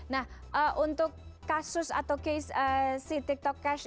nah untuk kasus atau case si tiktok cash